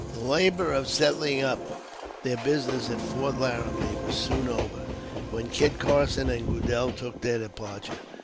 The labor of settling up their business at Fort Laramie was soon over, when Kit Carson and Goodel took their departure.